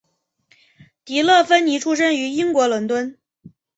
迪乐芬妮出生于英国伦敦。